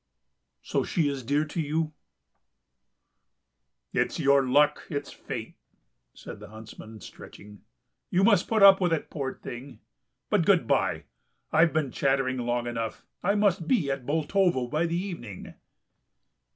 "So she is dear to you...." "It's your luck, it's fate!" said the huntsman, stretching. "You must put up with it, poor thing. But good bye, I've been chattering long enough.... I must be at Boltovo by the evening."